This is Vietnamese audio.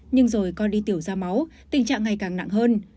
nhưng rồi con đi tiểu ra máu tình trạng ngày càng nặng hơn